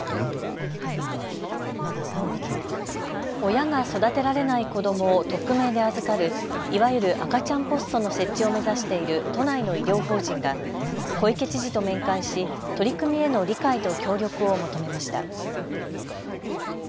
親が育てられない子どもを匿名で預かる、いわゆる赤ちゃんポストの設置を目指している都内の医療法人が小池知事と面会し取り組みへの理解と協力を求めました。